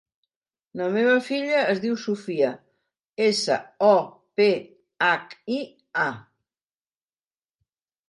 La meva filla es diu Sophia: essa, o, pe, hac, i, a.